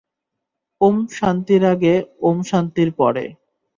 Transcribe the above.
ওম, শান্তির আগে, ওম, শান্তির পরে।